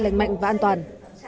lạnh mạnh và an toàn